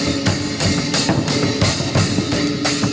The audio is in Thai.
สวัสดีสวัสดี